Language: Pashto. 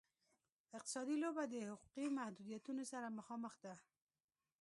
اقتصادي لوبه د حقوقي محدودیتونو سره مخامخ ده.